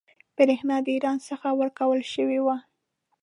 برېښنا د ایران څخه ورکول شوې وه.